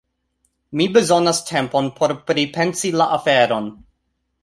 Mi bezonas tempon por pripensi la aferon.